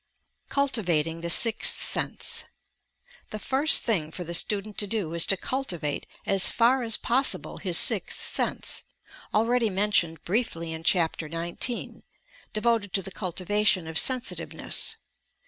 CULTIVATING THE "SIXTH SENSE" The first thing for the student to do is to cultivate as far as possible his "Sixth Sense," already mentioned briefly in Chapter SIX (devoted to the Cultivation of ADVANCED STUDIES Sensitiveness).